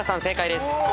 正解です。